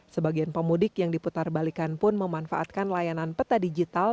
sebagian pemudik yang diputar balikan pun memanfaatkan layanan peta digital